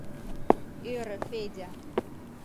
— ӧрӧ Федя.